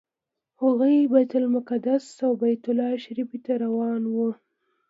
هغوی بیت المقدس او بیت الله شریف ته روان وو.